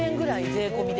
税込みで。